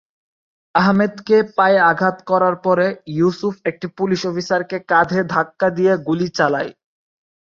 আহমেদকে পায়ে আঘাত করার পরে, ইউসুফ একটি পুলিশ অফিসারকে কাঁধে ধাক্কা দিয়ে গুলি চালায়।